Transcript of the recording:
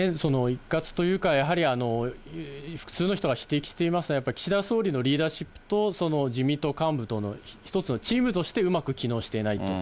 一喝というか、やはりあの、複数の人が指摘していますが、岸田総理のリーダーシップと、自民党幹部との、一つのチームとしてうまく機能していないと。